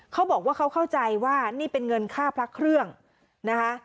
เขาบอกว่าเขาเข้าใจว่านี่เป็นเงินค่าพระเครื่องนะคะ